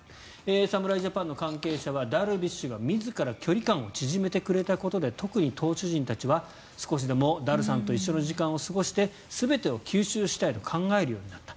侍ジャパンの関係者はダルビッシュが自ら距離感を縮めてくれたことで特に投手陣たちは少しでもダルさんと一緒の時間を過ごして全てを吸収したいと考えるようになった。